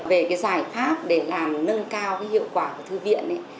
về cái giải pháp để làm nâng cao cái hiệu quả của thư viện ấy